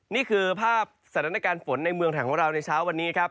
นี่คือภาพสถานการณ์ฝนในเมืองไทยของเราในเช้าวันนี้ครับ